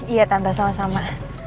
iya tante sama sama